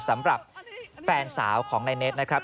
สำหรับแฟนสาวของนายเน็ตนะครับ